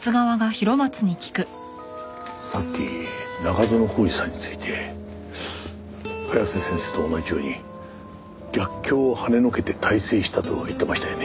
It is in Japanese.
さっき中園宏司さんについて「早瀬先生と同じように逆境をはねのけて大成した」と言ってましたよね。